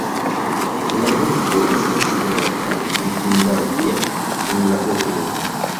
La burgo estas grava vidindaĵo en la urbo.